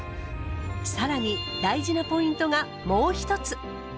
さらに大事なポイントがもう一つ。